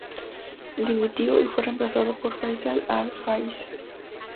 Dimitió y fue reemplazado por Faisal al-Fayez.